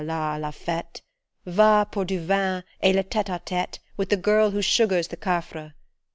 la fete ! Va pour du vin, et k tSte a tete With the girl who sugars the quafres